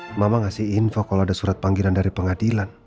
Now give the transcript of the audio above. jadi bapak ngasih info kalau ada surat panggilan dari pengadilan